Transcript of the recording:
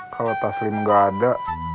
kalau taslim gak ada